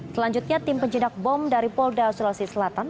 selanjutnya tim penjinak bom dari polda sulawesi selatan